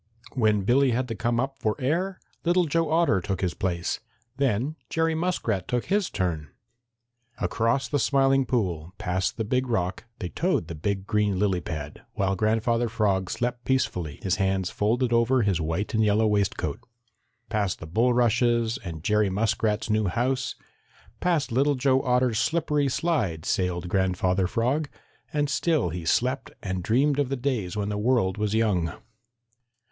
When Billy had to come up for air, Little Joe Otter took his place. Then Jerry Muskrat took his turn. Across the Smiling Pool, past the Big Rock, they towed the big green lily pad, while Grandfather Frog slept peacefully, his hands folded over his white and yellow waistcoat. Past the bulrushes and Jerry Muskrat's new house, past Little Joe Otter's slippery slide sailed Grandfather Frog, and still he slept and dreamed of the days when the world was young.